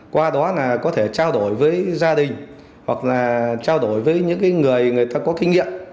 qua đó là có thể trao đổi với gia đình hoặc là trao đổi với những người người ta có kinh nghiệm